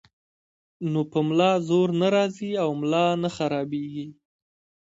نو پۀ ملا زور نۀ راځي او ملا نۀ خرابيږي -